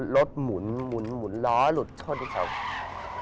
รถหมุนหมุนหมุนร้อหลุดโชคดีเฉพาะ